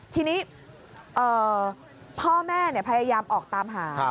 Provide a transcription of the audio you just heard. ทีนี้พ่อแม่พยายามออกตามหา